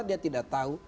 dia tidak tahu